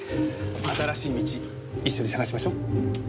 新しい道一緒に探しましょ。